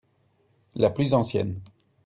La plus ancienne.